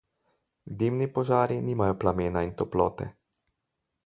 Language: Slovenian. Dimni požari nimajo plamena in toplote.